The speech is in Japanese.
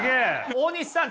大西さん